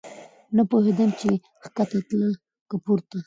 نه پوهېدم چې کښته تله که پورته.